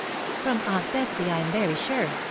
" From aunt Betsy, I am very sure